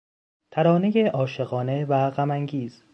ترانهی عاشقانه و غم انگیز